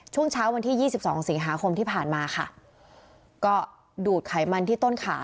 ช่วงเช้าวันที่ยี่สิบสองสิงหาคมที่ผ่านมาค่ะก็ดูดไขมันที่ต้นขา